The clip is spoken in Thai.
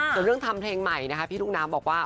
ส่วนเรื่องทำเพลงใหม่นะคะพี่รุ่งน้ำบอกว่า